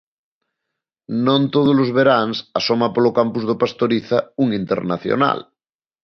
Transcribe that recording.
Non todos os veráns asoma polo campus do Pastoriza un internacional.